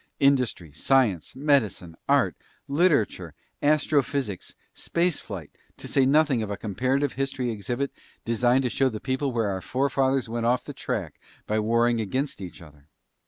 Industry, science, medicine, art, literature, astrophysics, space flight, to say nothing of a comparative history exhibit designed to show the people where our forefathers went off the track by warring against each other.